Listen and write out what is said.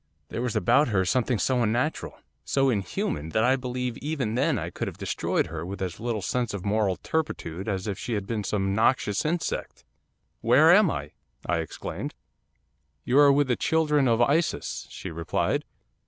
There was about her something so unnatural, so inhuman, that I believe even then I could have destroyed her with as little sense of moral turpitude as if she had been some noxious insect. '"Where am I?" I exclaimed. '"You are with the children of Isis," she replied.